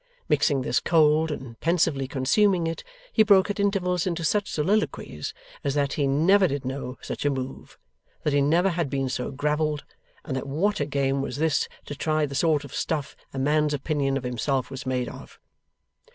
Mixing this cold, and pensively consuming it, he broke at intervals into such soliloquies as that he never did know such a move, that he never had been so gravelled, and that what a game was this to try the sort of stuff a man's opinion of himself was made of!